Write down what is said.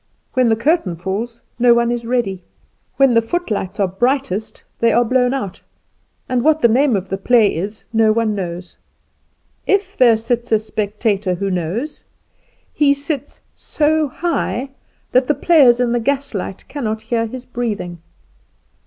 When the curtain falls no one is ready. When the footlights are brightest they are blown out; and what the name of the play is no one knows. If there sits a spectator who knows, he sits so high that the players in the gaslight cannot hear his breathing.